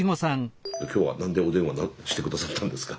今日は何でお電話して下さったんですか？